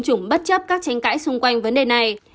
chủng bất chấp các tranh cãi xung quanh vấn đề này